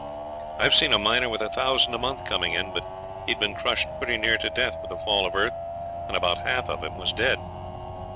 I've seen a miner with a thousand a month coming in, but he'd been crushed pretty near to death with a fall of earth, and about half of him was dead.